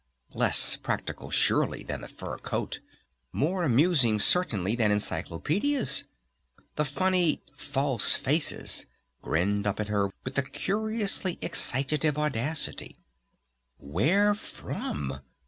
Less practical surely than the fur coat, more amusing, certainly, than encyclopedias, the funny "false faces" grinned up at her with a curiously excitative audacity. Where from?